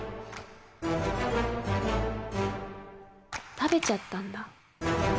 食べちゃったんだ。